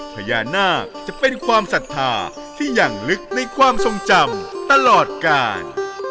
พญานาคจะเป็นความศรัทธาที่ยังลึกในความทรงจำตลอดกาล